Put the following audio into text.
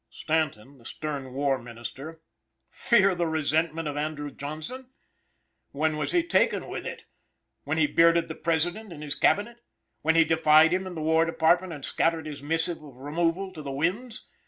Stanton, the stern War Minister, fear the resentment of Andrew Johnson! When was he taken with it? When he bearded the President in his Cabinet? When he defied him in the War Department, and scattered his missive of removal to the winds?